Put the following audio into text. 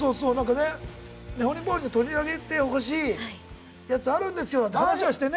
「ねほりんぱほりん」で取り上げてほしいやつあるんですよって話をしてね。